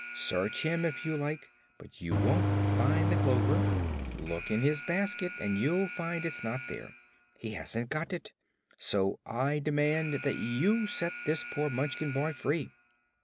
Search him, if you like, but you won't find the clover; look in his basket and you'll find it's not there. He hasn't got it, so I demand that you set this poor Munchkin boy free."